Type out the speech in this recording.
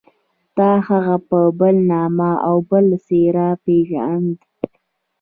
تا هغه په بل نامه او بله څېره پېژانده.